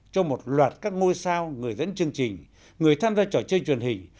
cho một loạt các ngôi sao người dẫn chương trình người tham gia trò chơi truyền hình